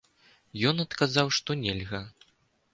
Ён адказаў, што нельга.